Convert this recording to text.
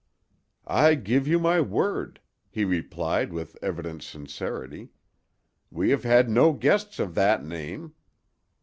"I give you my word," he replied with evident sincerity, "we have had no guests of that name."